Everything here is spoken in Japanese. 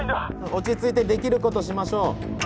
落ち着いてできることしましょう。